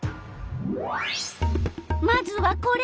まずはこれ！